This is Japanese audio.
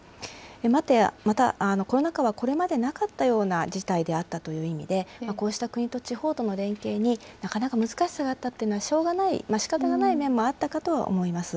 また、コロナ禍はこれまでなかったような事態であったという意味で、こうした国と地方との連携に、なかなか難しさがあったというのはしょうがない、しかたがない面もあったかとは思います。